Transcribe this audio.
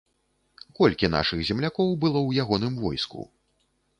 Колькі нашых землякоў было ў ягоным войску?